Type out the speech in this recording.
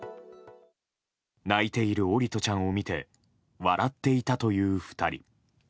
泣いている桜利斗ちゃんを見て笑っていたという２人。